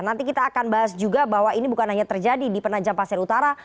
nanti kita akan bahas juga bahwa ini bukan hanya terjadi di penajam pasir utara